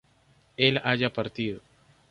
él haya partido